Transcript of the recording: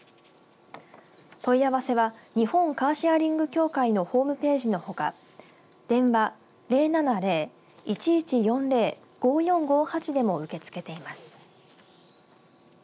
問い合わせは日本カーシェアリング協会のホームページのほか電話０７０‐１１４０‐５４５８でも受け付けています。